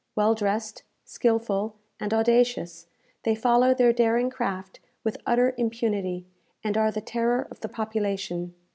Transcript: Well dressed, skilful, and audacious, they follow their daring craft with utter impunity, and are the terror of the population.